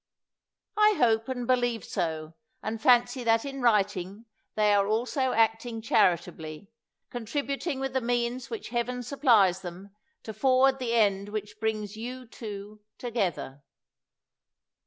I hope and believe so, and fancy that in writing they are also acting charitably, con tributing with the means which Heaven supplies them to forward the end which brings you, too, together.